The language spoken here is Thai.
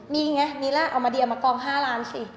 มีไงมีล่าเอามาเดียมากอง๕ล้านสิ